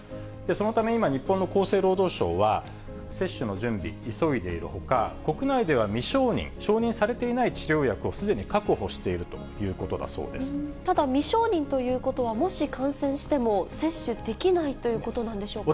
そのため今、日本の厚生労働省は、接種の準備、急いでいるほか、国内では未承認、承認されていない治療薬をすでに確保しているということだそうでただ、未承認ということは、もし感染しても接種できないということなんでしょうか。